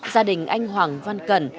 gia đình anh hoàng văn cẩn